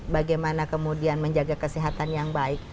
bagaimana kemudian menjaga kesehatan yang baik